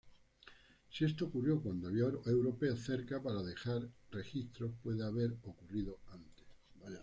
Si esto ocurrió cuando había europeos cerca para dejar registros, puede haber ocurrido antes.